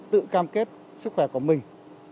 tự cam kết sức khỏe của mình